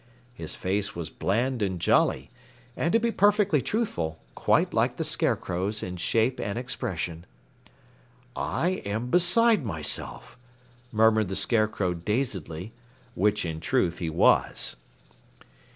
His face was bland and jolly, and to be perfectly truthful, quite like the Scarecrow's in shape and expression. "I am beside myself," murmured the Scarecrow dazedly which in truth he was.